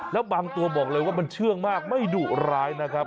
แล้วบางตัวบอกเลยว่ามันเชื่องมากไม่ดุร้ายนะครับ